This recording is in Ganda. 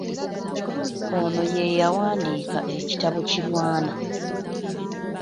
Ono ye yawandiika ekitabo Kirwana.